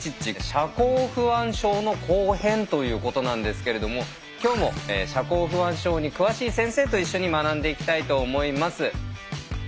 社交不安症の後編ということなんですけれども今日も社交不安症に詳しい先生と一緒に学んでいきたいと思います。